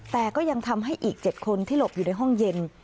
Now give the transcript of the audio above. แต่ก็ยังทำให้อีก๗คนที่หลบอยู่ในห้องเย็น